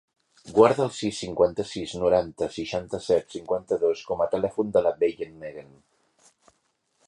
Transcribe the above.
Guarda el sis, cinquanta-sis, noranta, seixanta-set, cinquanta-dos com a telèfon de la Bayan Magan.